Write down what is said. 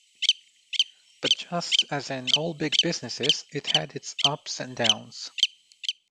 But just as in all big businesses, it had its ups and downs.